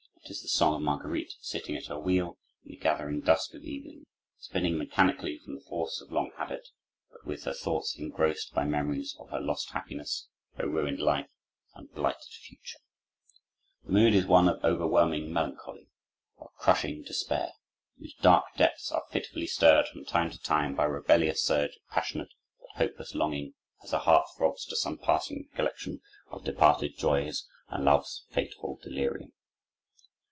It is the song of Marguerite, sitting at her wheel, in the gathering dusk of evening, spinning mechanically from the force of long habit, but with her thoughts engrossed by memories of her lost happiness, her ruined life, and blighted future. The mood is one of overwhelming melancholy, of crushing despair, whose dark depths are fitfully stirred from time to time by a rebellious surge of passionate but hopeless longing, as her heart throbs to some passing recollection of departed joys and love's fateful delirium.